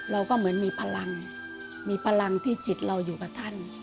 เราก็เหมือนมีพลังมีพลังที่จิตเราอยู่กับท่าน